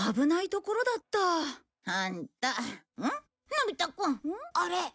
のび太くんあれ。